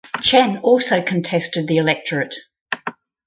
Chen also contested the electorate.